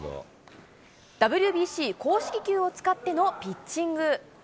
ＷＢＣ公式球を使ってのピッチング。